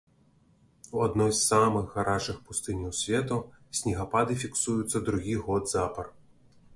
У адной з самых гарачых пустыняў свету снегапады фіксуюцца другі год запар.